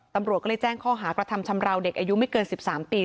ตำรวจก็เลยแจ้งข้อหากระทำชำราวเด็กอายุไม่เกิน๑๓ปี